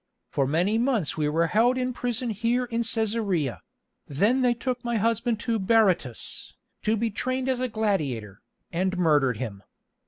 For many months we were held in prison here in Cæsarea; then they took my husband to Berytus, to be trained as a gladiator, and murdered him.